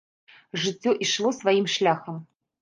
Жыццё ішло сваім шляхам.